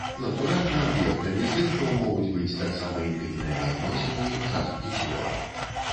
Натуральна, аб'ектамі здымкаў могуць быць таксама інтымныя адносіны, часткі цела.